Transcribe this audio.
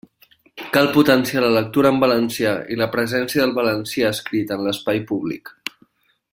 Cal potenciar la lectura en valencià i la presència del valencià escrit en l'espai públic.